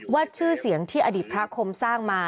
ชื่อเสียงที่อดีตพระคมสร้างมา